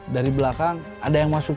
dari belakang ada yang masuk